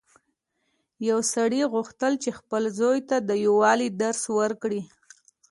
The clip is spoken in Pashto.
یو سړي غوښتل چې خپل زوی ته د یووالي درس ورکړي.